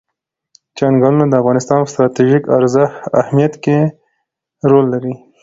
چنګلونه د افغانستان په ستراتیژیک اهمیت کې رول لري.